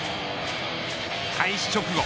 開始直後